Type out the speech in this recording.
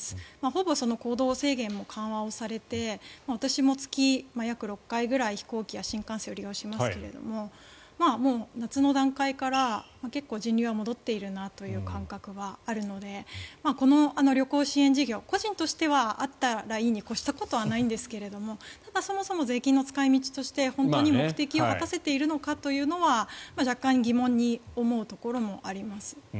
ほぼ行動制限も緩和をされて私も月、約６回ぐらい飛行機や新幹線を利用しますけどもう夏の段階から結構人流は戻っているという感覚はあるのでこの旅行支援事業個人としてはあったらいいに越したことはないですがただ、そもそも税金の使い道として本当に目的を果たせているのかは若干疑問に思うところもあります。